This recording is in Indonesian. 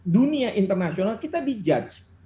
dunia internasional kita di judge